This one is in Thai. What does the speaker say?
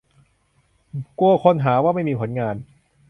กลัวคนหาว่าไม่มีผลงาน